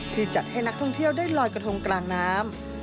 จัดให้นักท่องเที่ยวได้ลอยกระทงกลางน้ำ